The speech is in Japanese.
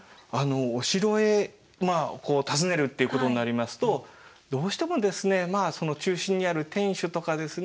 お城へまあ訪ねるっていうことになりますとどうしてもですねまあその中心にある天守とかですね